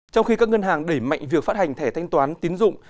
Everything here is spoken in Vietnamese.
trong khi các ngân hàng đẩy mạnh việc phát hành thẻ thanh toán tín dụng